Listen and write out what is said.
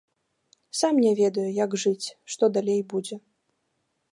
Сам не ведаю, як жыць, што далей будзе.